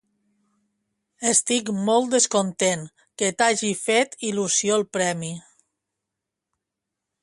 Estic molt descontent que t'hagi fet il·lusió el premi.